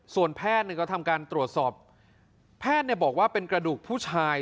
ส่วนแพทย์ก็ทำการตรวจสอบแพทย์บอกว่าเป็นกระดูกผู้ชาย